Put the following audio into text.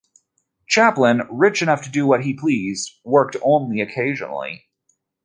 Chaplin, rich enough to do what he pleased, worked only occasionally.